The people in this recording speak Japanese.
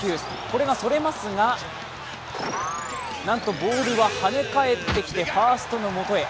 これがそれますがなんとボールははね返ってきてファーストのもとへ。